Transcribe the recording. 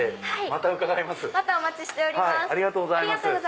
またお待ちしております。